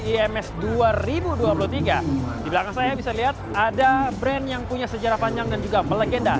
ims dua ribu dua puluh tiga di belakang saya bisa lihat ada brand yang punya sejarah panjang dan juga melegenda